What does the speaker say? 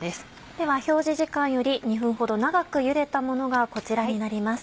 では表示時間より２分ほど長くゆでたものがこちらになります。